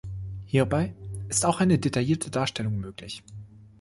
Hierbei ist auch eine detaillierte Darstellung möglich.